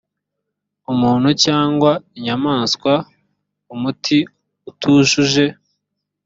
umuntu cyangwa inyamaswa umuti utujuje